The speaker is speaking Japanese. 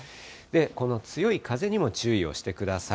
この強い風にも注意をしてください。